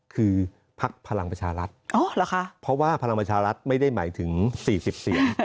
คือพักพลังประชารัฐเพราะว่าพลังประชารัฐไม่ได้หมายถึง๔๐เสียง